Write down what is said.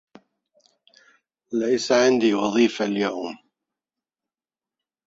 ليس عندي وظيفة اليوم.